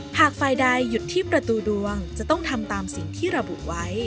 หากฝ่ายใดหยุดที่ประตูดวงจะต้องทำตามสิ่งที่ระบุไว้